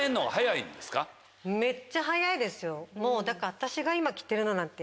私が今着てるのなんて。